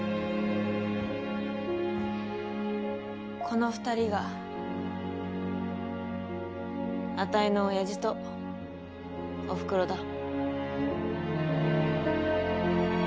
この２人があたいの親父とおふくろだ。